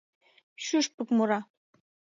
Шӱшпык мура!